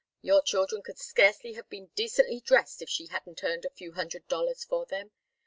Your children could scarcely have been decently dressed, if she hadn't earned a few hundred dollars for them.